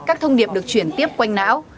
khi các nghiệp được chuyển tiếp quanh não